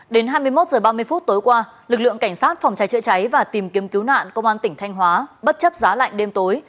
đến hai mươi một h ba mươi phút tối qua lực lượng cảnh sát phòng cháy chữa cháy và tìm kiếm cứu nạn công an tỉnh thanh hóa bất chấp giá lạnh đêm tối